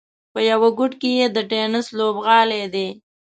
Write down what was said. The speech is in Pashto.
په یوه ګوټ کې یې د ټېنس لوبغالی دی.